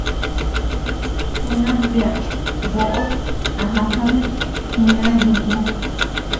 Junak bea boʼot a jajamek juna Yuku.